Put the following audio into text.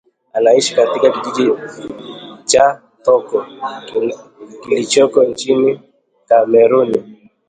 Anaishi katika kijiji cha Toko kilichoko nchini Kameruni